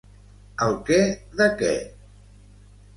Ai que de què!